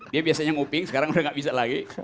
dia biasanya nguping sekarang udah gak bisa lagi